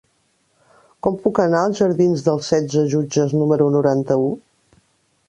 Com puc anar als jardins d'Els Setze Jutges número noranta-u?